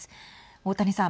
大谷さん。